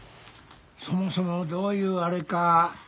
そもそもどういうあれか。